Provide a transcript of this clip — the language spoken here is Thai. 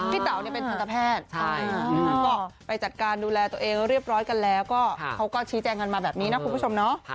เต๋าเป็นทันตแพทย์ก็ไปจัดการดูแลตัวเองเรียบร้อยกันแล้วก็เขาก็ชี้แจงกันมาแบบนี้นะคุณผู้ชมเนาะ